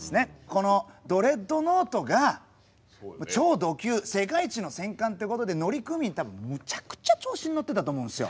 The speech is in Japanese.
このドレッドノートが超ド級世界一の戦艦ってことで乗組員多分むちゃくちゃ調子に乗ってたと思うんですよ。